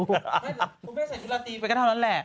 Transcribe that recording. คุณแม่ใส่ชุดเราตีไปก็เท่านั้นแหละ